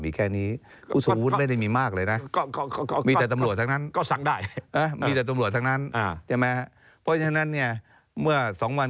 มีแค่นี้ผู้สงวุฒิไม่ได้หมากเลยนะ